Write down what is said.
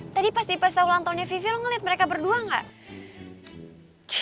tadi pas di pesta ulang tahunnya vivi lo ngelihat mereka berdua gak